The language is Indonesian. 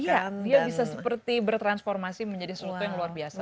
iya dia bisa seperti bertransformasi menjadi sesuatu yang luar biasa